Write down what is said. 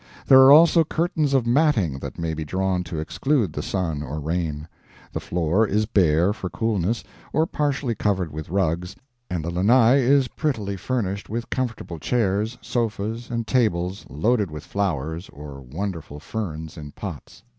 There are also curtains of matting that may be drawn to exclude the sun or rain. The floor is bare for coolness, or partially covered with rugs, and the lanai is prettily furnished with comfortable chairs, sofas, and tables loaded with flowers, or wonderful ferns in pots.